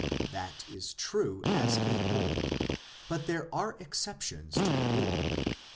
That is true as a whole, but there are exceptions to the rule.